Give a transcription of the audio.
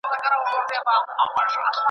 چی کلونه مو کول پکښي قولونه .